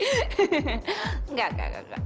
enggak enggak enggak